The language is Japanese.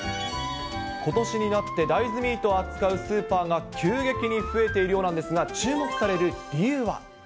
ことしになって大豆ミートを扱うスーパーが急激に増えているようなんですが、注目される理由は。